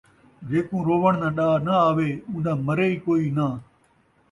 جیکوں رووݨ دا ݙا ناں آوے ، اون٘دا مرے ای کوئی ناں